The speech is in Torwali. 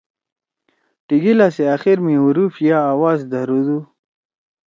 ٹیلگا سی آخر می حرف یا آواز دھردُو۔